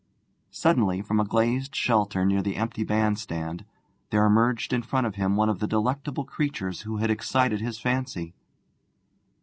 Suddenly, from a glazed shelter near the empty bandstand, there emerged in front of him one of the delectable creatures who had excited his fancy.